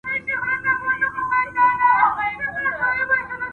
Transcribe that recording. د میرویس خان شجره لا هم تر بحث لاندې ده.